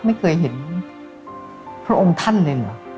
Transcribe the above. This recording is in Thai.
ไม่เคยเห็นพระองค์ท่านเลยเหรอ